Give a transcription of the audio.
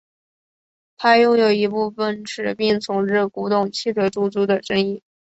他拥有一部奔驰并从事古董汽车出租的生意。